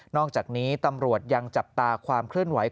อกจากนี้ตำรวจยังจับตาความเคลื่อนไหว